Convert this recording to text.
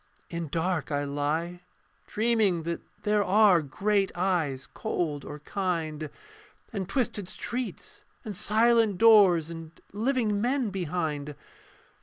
In dark I lie: dreaming that there Are great eyes cold or kind, And twisted streets and silent doors, And living men behind.